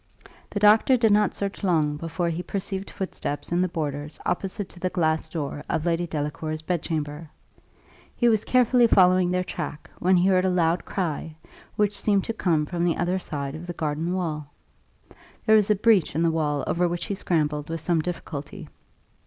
The doctor did not search long before he perceived footsteps in the borders opposite to the glass door of Lady Delacour's bedchamber; he was carefully following their track, when he heard a loud cry, which seemed to come from the other side of the garden wall. There was a breach in the wall over which he scrambled with some difficulty.